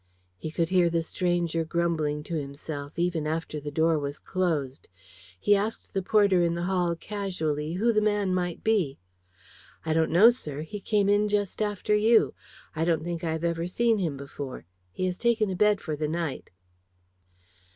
He could hear the stranger grumbling to himself, even after the door was closed. He asked the porter in the hall casually who the man might be. "I don't know, sir. He came in just after you. I don't think I have ever seen him before. He has taken a bed for the night."